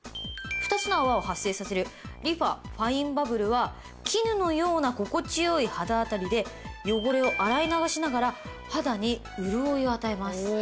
２つの泡を発生させるリファファインバブルは絹のような心地よい肌当たりで汚れを洗い流しながら肌に潤いを与えます。